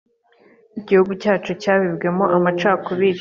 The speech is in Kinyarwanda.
igihugu cyacu cyabibwemo amacakubiri